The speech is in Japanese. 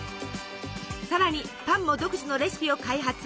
さらにパンも独自のレシピを開発。